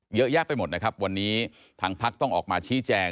เยอะแยะไปหมดนะครับวันนี้ทางพักต้องออกมาชี้แจง